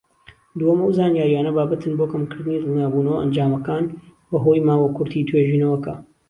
دووەم، ئەو زانیاریانە بابەتن بۆ کەمکردنی دڵنیابوونەوە ئەنجامەکان بەهۆی ماوە کورتی توێژینەوەکە.